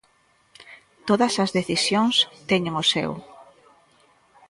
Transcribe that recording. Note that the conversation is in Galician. Todas as decisións teñen o seu.